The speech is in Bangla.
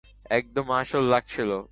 একদম আসল লাগছিল!